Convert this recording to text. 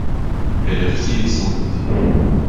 Elle riait et sanglotait.